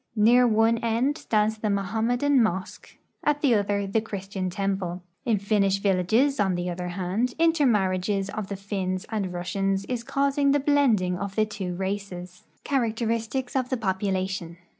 Near one end stands the Mohammedan mosque ; at the other the Christian temple. In Finnish villages, on the oth^r hand, intermarriages of the Finns and Russians is causing the blend ing of the two races. CH.\RACTERISTICS OF THE POPULATION.